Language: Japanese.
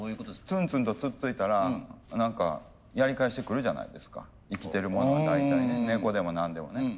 ツンツンとつっついたら何かやり返してくるじゃないですか生きてるものは大体ね猫でも何でもね。